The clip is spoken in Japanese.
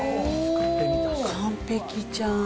完璧じゃん。